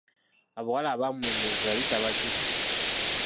Abawala abaamuyimiriza yali tabajjukira!